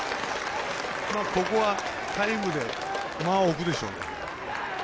ここはタイムで間を置くでしょうね。